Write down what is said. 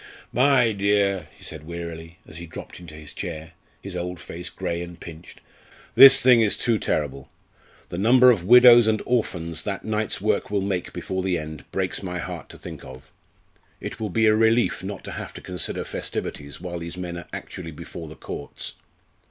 "My dear," he said wearily as he dropped into his chair, his old face grey and pinched, "this thing is too terrible the number of widows and orphans that night's work will make before the end breaks my heart to think of. It will be a relief not to have to consider festivities while these men are actually before the courts.